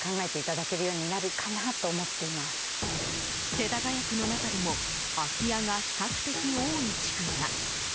世田谷区の中でも空き家が比較的多い地区が。